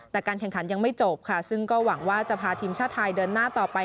แต่การแข่งขันยังไม่จบค่ะซึ่งก็หวังว่าจะพาทีมชาติไทยเดินหน้าต่อไป